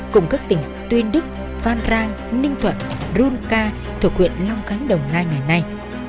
cùng các tỉnh tuyên đức phan rang ninh thuận runca thuộc huyện long khánh đồng hai ngày nay